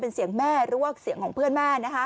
เป็นเสียงแม่หรือว่าเสียงของเพื่อนแม่